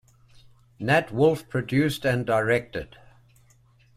Nat Wolff produced and directed.